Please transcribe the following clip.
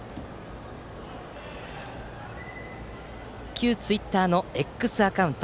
旧ツイッターのＸアカウント。